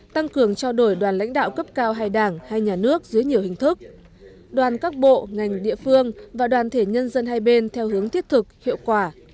tăng cường trao đổi đoàn lãnh đạo cấp cao hai đảng hai nhà nước dưới nhiều hình thức đoàn các bộ ngành địa phương và đoàn thể nhân dân hai bên theo hướng thiết thực hiệu quả